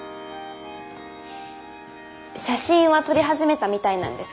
写真は撮り始めたみたいなんです